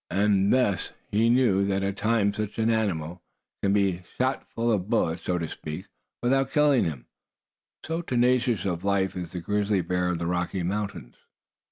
And thus he knew that at times such an animal can be shot full of bullets, so to speak, without killing him, so tenacious of life is the grizzly bear of the Rocky Mountains.